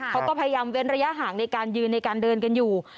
เขาก็พยายามเว้นระยะห่างในการยืนในการเดินกันอยู่